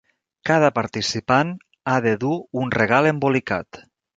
Cada participant ha de dur un regal embolicat.